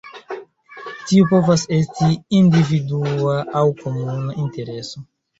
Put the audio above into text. Tiu povas esti individua aŭ komuna intereso.